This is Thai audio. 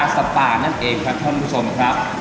ก็เป็นการปล่าสปานั่นเองครับท่านผู้ชมครับ